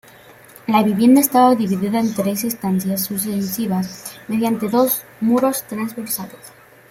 La vivienda estaba dividida en tres estancias sucesivas mediante dos muros transversales.